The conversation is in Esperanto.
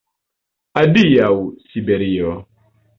Adiaŭ, Siberio!”